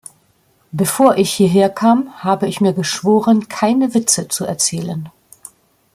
Bevor ich hierher kam, habe ich mir geschworen, keine Witze zu erzählen.